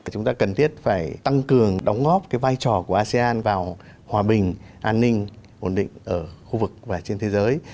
chúng ta cần thiết phải tăng cường đóng góp vai trò của asean vào hòa bình an ninh ổn định ở khu vực và trên thế giới